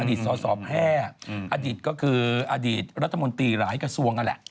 อดีตสศแพร่อดีตก็คืออดีตรตมหลายกระทรวงนั่นแหละ